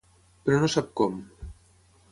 Però no sap com.